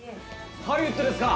ハリウッドですか？